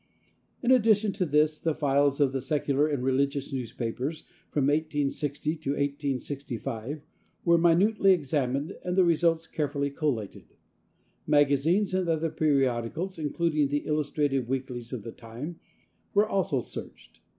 In addition to this, the files of the secular and religious newspapers, from 1860 to 1865, were minutely examined and the results carefully collated. Magazines and other periodicals, including the illustrated weeklies of the time, were also searched.